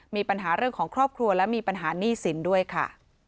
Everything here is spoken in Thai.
มีปัญหาเรื่องของครอบครัวและมีปัญหาหนี้สินด้วยค่ะ